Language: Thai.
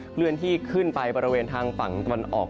เป็นที่ขึ้นไปประเวณทางฝั่งตอนออก